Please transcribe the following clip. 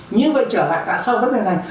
như vậy trở lại tại sao vấn đề này